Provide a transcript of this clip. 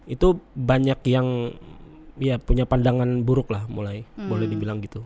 itu banyak yang ya punya pandangan buruk lah mulai boleh dibilang gitu